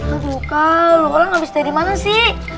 aduh kau lu orang abis dari mana sih